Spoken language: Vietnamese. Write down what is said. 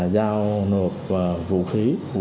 giao nộp vũ khí